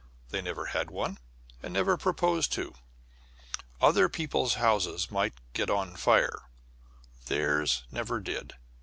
They never had one, and never proposed to; other people's houses might get on fire; theirs never did.